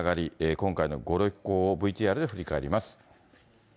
今回のご旅行をＶＴＲで振り返ります。